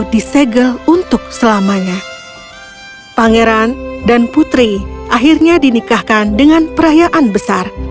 disegel untuk selamanya pangeran dan putri akhirnya dinikahkan dengan perayaan besar